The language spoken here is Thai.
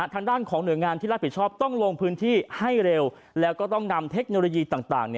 ทางด้านของหน่วยงานที่รับผิดชอบต้องลงพื้นที่ให้เร็วแล้วก็ต้องนำเทคโนโลยีต่าง